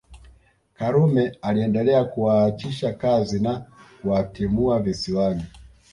Karume aliendelea kuwaachisha kazi na kuwatimua Visiwani